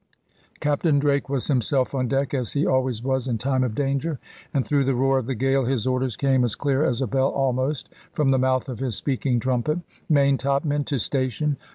Captain Drake was himself on deck, as he always was in time of danger, and through the roar of the gale his orders came as clear as a bell almost, from the mouth of his speaking trumpet. "Main top men, to station!